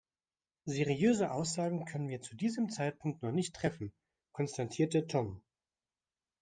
"Seriöse Aussagen können wir zu diesem Zeitpunkt noch nicht treffen", konstatierte Tom.